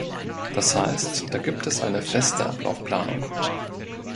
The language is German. Das heißt, da gibt es eine feste Ablaufplanung.